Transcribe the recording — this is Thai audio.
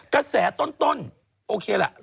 กระแสต้นโอเคล่ะ